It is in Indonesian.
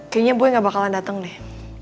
kayaknya boy gak bakalan dateng deh